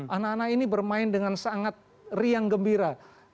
anak anak ini bermain dengan sangat riang gembira